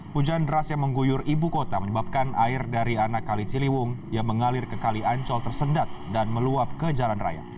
hujan deras yang mengguyur ibu kota menyebabkan air dari anak kali ciliwung yang mengalir ke kali ancol tersendat dan meluap ke jalan raya